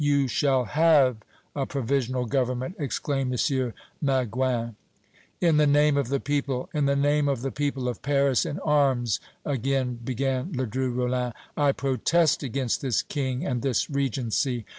"You shall have a provisional government!" exclaimed M. Maguin. "In the name of the people in the name of the people of Paris in arms," again began Ledru Rollin, "I protest against this King and this Regency.